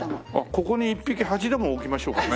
ここに１匹ハチでも置きましょうかね。